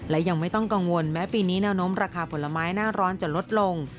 และยังไม่ต้องกังวลแม้ปีนี้แนวโน้มราคาผลไม้หน้าร้อนจะลดลง